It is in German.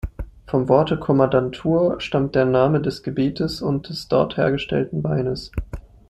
Vom Worte „Kommandantur“ stammt der Name des Gebietes und des dort hergestellten Weines.